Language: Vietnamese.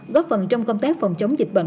góp phần trong công tác phòng chống dịch bệnh